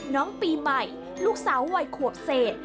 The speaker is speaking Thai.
น้องปีใหม่ลูกสาววัยขวบเศษ